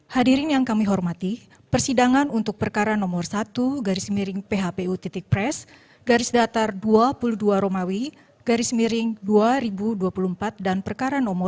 hadirin yang kami hormati persidangan untuk perkara nomor satu garis miring phpu titik pres garis datar dua puluh dua romawi garis miring dua ribu dua puluh empat dan perkara nomor dua